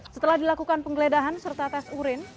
setelah dilakukan penggeledahan serta tes urin